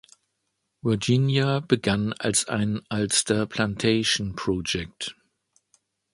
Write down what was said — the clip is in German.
Virginia begann als ein Ulster Plantation Projekt.